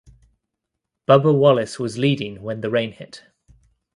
Bubba Wallace was leading when the rain hit.